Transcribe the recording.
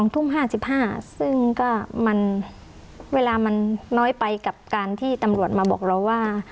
ทุ่ม๕๕ซึ่งก็มันเวลามันน้อยไปกับการที่ตำรวจมาบอกเราว่า